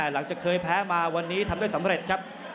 หลังจากเคยแพ้มาวันนี้ทำได้สำเร็จครับ